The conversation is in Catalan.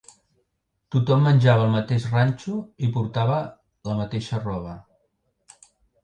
Tothom menjava el mateix ranxo i portava la mateixa roba